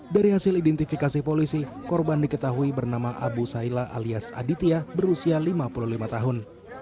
dari hasil identifikasi polisi korban diketahui bernama abu saila alias aditya berusia lima puluh lima tahun